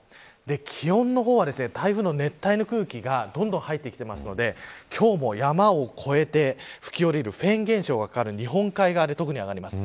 気温は、台風の熱帯の空気がどんどん入ってきているので今日も山を越えて吹き下りるフェーン現象がかかる日本海側で特に上がります。